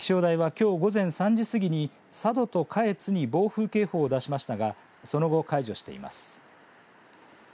気象台はきょう午前３時過ぎに佐渡と下越に暴風警報を出しましたがその後、解除しています。